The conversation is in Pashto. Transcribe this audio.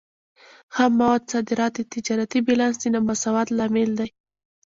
خام موادو صادرات د تجارتي بیلانس د نامساواتوب لامل دی.